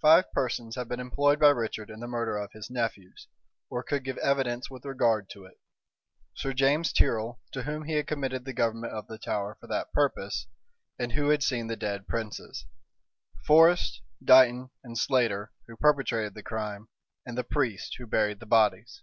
Five persons had been employed by Richard in the murder of his nephews, or could give evidence with regard to it; Sir James Tyrrel, to whom he had committed the government of the Tower for that purpose, and who had seen the dead princes; Forrest, Dighton, and Slater, who perpetrated the crime; and the priest who buried the bodies.